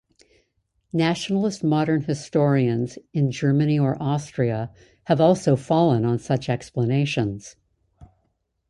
Nationalist modern historians in Germany or Austria have also fallen on such explanations.